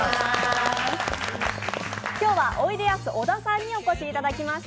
今日は、おいでやす小田さんにお越しいただきました。